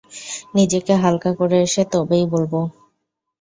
নিজেকে হালকা করে এসে তবেই বলব।